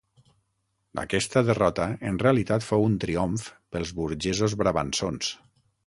Aquesta derrota en realitat fou un triomf pels burgesos brabançons.